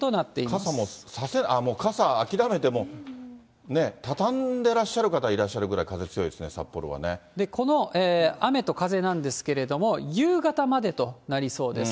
傘も差せない、ああもう傘、諦めて、もう畳んでらっしゃる方いらっしゃるぐらい風強いですね、札幌はこの雨と風なんですけれども、夕方までとなりそうです。